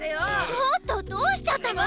ちょっとどうしちゃったの？